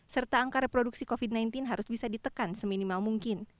serta angka reproduksi covid sembilan belas harus bisa ditekan seminimal mungkin